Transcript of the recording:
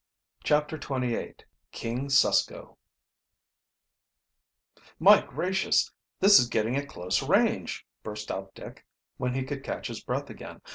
CHAPTER XXVIII KING SUSKO "My gracious, this is getting at close range!" burst out Dick, when he could catch his breath again.